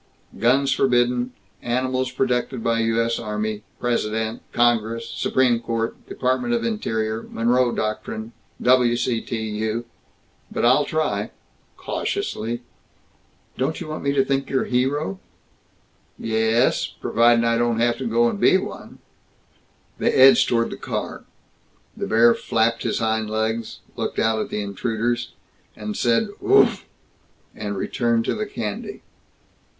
Guns forbidden. Animals protected by U. S. Army, President, Congress, Supreme Court, Department of Interior, Monroe Doctrine, W. C. T. U. But I'll try cautiously." "Don't you want me think you're hero?" "Ye es, providin' I don't have to go and be one." They edged toward the car. The bear flapped his hind legs, looked out at the intruders, said "Oofflll!" and returned to the candy.